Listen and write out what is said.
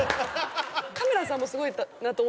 カメラさんもすごいなと思ったんですけど。